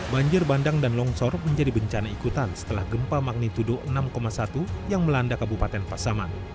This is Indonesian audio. banjir bandang dan longsor menjadi bencana ikutan setelah gempa magnitudo enam satu yang melanda kabupaten pasaman